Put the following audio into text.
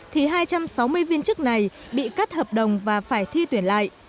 thì hai trăm sáu mươi viên chức này bị cắt hợp đồng và phải thi tuyển lại